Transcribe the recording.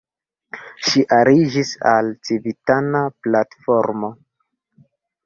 Ŝi aliĝis al Civitana Platformo.